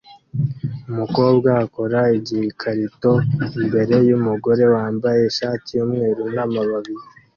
Umukobwa akora igikarito imbere yumugore wambaye ishati yumweru namababi